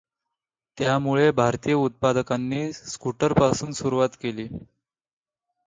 त्यामुळे भारतीय उत्पादकांनी स्कूटरपासून सुरुवात केली.